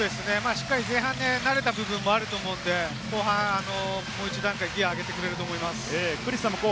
前半、慣れた部分もあると思うので、後半、もう一段階ギア上げてくれると思います。